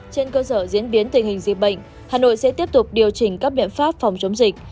trên cơ sở diễn biến tình hình dịch bệnh hà nội sẽ tiếp tục điều chỉnh các biện pháp phòng chống dịch